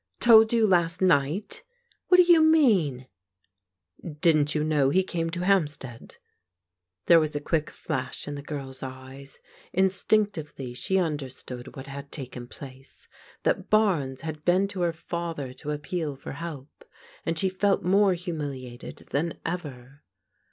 Told you last night f What do you mean ?"Didn't you know he came to Hampstead ?" There was a quick flash in the girl's eyes. Instinc tively she understood what had taken place, — ^that Barnes had been to her father to appeal for help, and she felt more himiiliated than ever.